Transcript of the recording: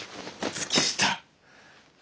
月下。